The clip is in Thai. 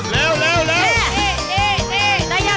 เร็วเร็วเร็ว